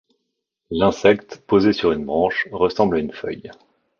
L'insecte, posé sur une branche, ressemble à une feuille.